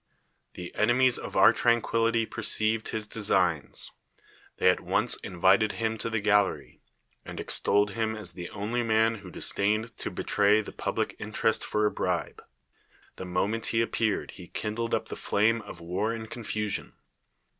The enemies of our tranquillity perceived his designs : they at once invited him to the gallery, and extolled him as the only man who disdained to betray the public interest for a bribe. The moment he appeared he kindled up the flame of war and confusion.